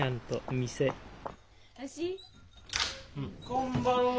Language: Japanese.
こんばんは！